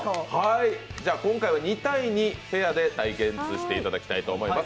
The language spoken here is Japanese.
今回は２対２、ペアで対決していただきたいと思います。